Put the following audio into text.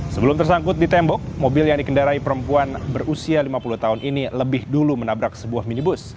sebelum tersangkut di tembok mobil yang dikendarai perempuan berusia lima puluh tahun ini lebih dulu menabrak sebuah minibus